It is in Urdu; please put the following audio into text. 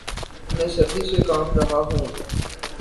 میں سردی سے کانپ رہا ہوں